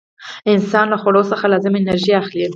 انسان له خوړو څخه لازمه انرژي اخلي.